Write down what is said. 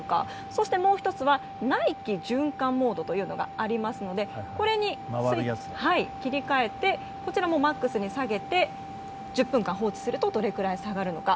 そしてもう１つは内気循環モードというのがありますのでこれに切り替えてこちらもマックスに下げて１０分間放置するとどれくらい下がるのか。